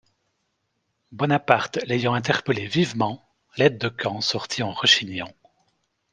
Bonaparte l’ayant interpellé vivement, l’aide-de-camp sortit en rechignant.